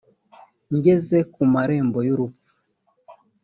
ngeze ku marembo y’urupfu